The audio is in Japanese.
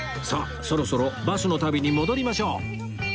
さあそろそろバスの旅に戻りましょう